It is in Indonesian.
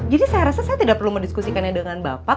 jadi saya rasa saya tidak perlu mendiskusikannya dengan bapak